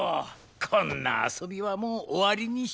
こんな遊びはもう終わりにして。